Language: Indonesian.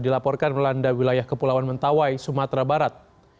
dilaporkan melanda wilayah kepulauan mentawai sumatera barat